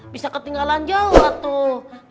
bisa ketinggalan jauh lah tuh